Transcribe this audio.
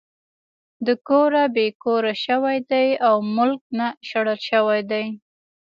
د کوره بې کوره شوے دے او ملک نه شړلے شوے دے